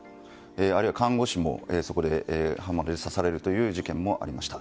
あるいは看護師もそこで刃物で刺されるという事件もありました。